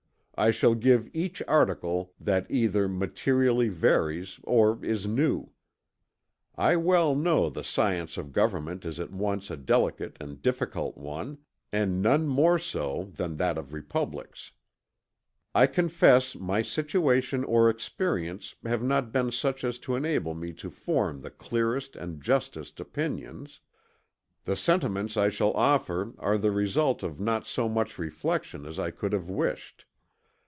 I shall give each article that either materially varies or is new. I well know the science of government is at once a delicate and difficult one, and none more so than that of republics. I confess my situation or experience have not been such as to enable me to form the clearest and justest opinions. The sentiments I shall offer are the result of not so much reflection as I could have wished.